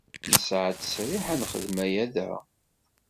Nesɛa ttesriḥ ad nexdem aya da?